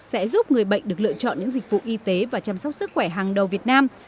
sẽ giúp người bệnh được lựa chọn những dịch vụ y tế và chăm sóc sức khỏe hàng đầu việt nam